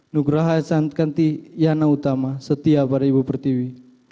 nugraha santi yana utama setia pada ibu pertiwi